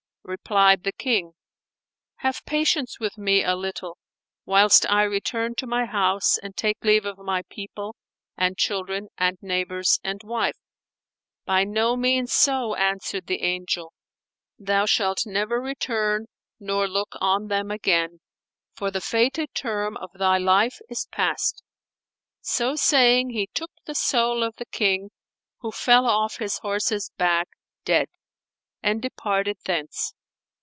Replied the King, "Have patience with me a little, whilst I return to my house and take leave of my people and children and neighbours and wife." "By no means so," answered the Angel; "thou shalt never return nor look on them again, for the fated term of thy life is past." So saying, he took the soul of the King (who fell off his horse's back dead) and departed thence.